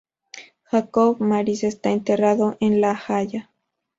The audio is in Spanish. Jacob Maris está enterrado en La Haya.